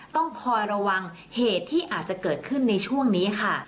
ต้องคอยระวังเหตุที่อาจจะเกิดขึ้นในช่วงนี้ค่ะ